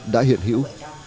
đã hiện hữu